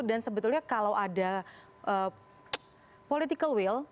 dan sebetulnya kalau ada political will